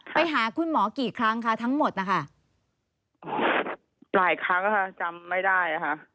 ไปหาคุณหมอกี่ครั้งคะทั้งหมดนะคะหลายครั้งค่ะจำไม่ได้ค่ะ